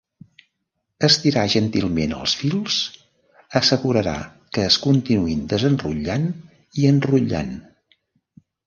Estirar gentilment els fils assegurarà que es continuïn desenrotllant i enrotllant.